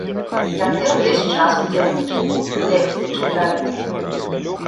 Яны ўвесь час удзельнічаюць, лекцыі чытаюць.